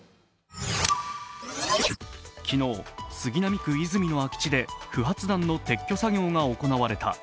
昨日、杉並区和泉の空き地で不発弾の撤去作業が行われた。